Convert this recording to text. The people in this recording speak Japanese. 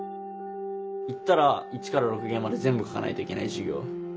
行ったら１から６限まで全部書かないといけない授業。